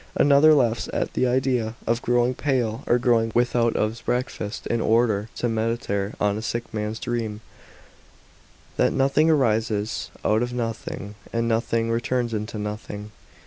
f Another laughs at the i lea of growing pale or going without ont 's breakfast in order to meditare on a sick man's dream, "that nothing arises out of nothing, and nothing returns into nothing."